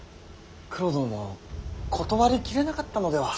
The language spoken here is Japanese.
九郎殿も断り切れなかったのでは。